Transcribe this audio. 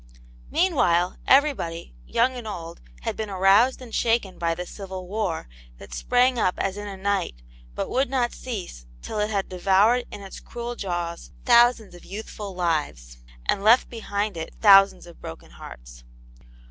Meanwhile everybody, young and old, had been aroused and shaken by the civil war, that spranjg up as in a night, but would not cease till it had devoured in its cruel jaws thousands of youthful lives, and left behind it thousands of broken hearts.